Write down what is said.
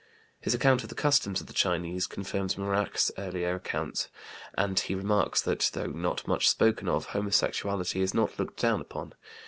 His account of the customs of the Chinese confirms Morache's earlier account, and he remarks that, though not much spoken of, homosexuality is not looked down upon.